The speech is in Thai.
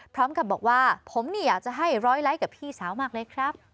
พร้อมกับบอกว่าผมนี่อยากจะให้ร้อยไลค์กับพี่สาวมากเลยครับ